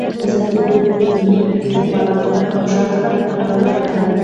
ازادي راډیو د طبیعي پېښې پرمختګ او شاتګ پرتله کړی.